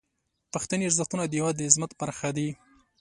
پښتني ارزښتونه د هیواد د عظمت برخه دي.